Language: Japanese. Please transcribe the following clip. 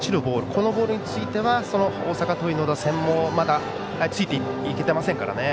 このボールについては大阪桐蔭の打線もまだついていけていませんからね。